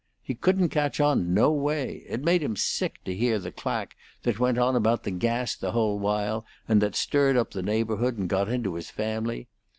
He couldn't catch on no way. It made him sick to hear the clack that went on about the gas the whole while, and that stirred up the neighborhood and got into his family.